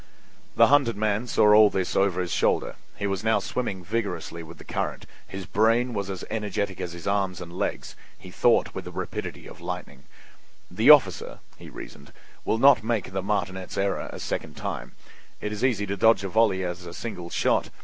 The hunted man saw all this over his shoulder; he was now swimming vigorously with the current. His brain was as energetic as his arms and legs; he thought with the rapidity of lightning: "The officer," he reasoned, "will not make that martinet's error a second time. It is as easy to dodge a volley as a single shot.